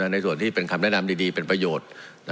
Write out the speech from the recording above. ในส่วนที่เป็นคำแนะนำดีเป็นประโยชน์